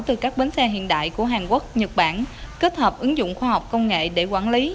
từ các bến xe hiện đại của hàn quốc nhật bản kết hợp ứng dụng khoa học công nghệ để quản lý